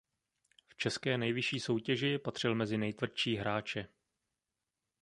V české nejvyšší soutěži patřil mezi nejtvrdší hráče.